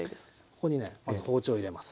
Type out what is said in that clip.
ここにねまず包丁を入れます。